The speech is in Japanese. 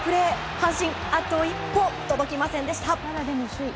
阪神、あと一歩届きませんでした。